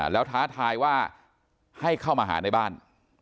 แล้วท้าทายว่าให้เข้ามาหาในบ้าน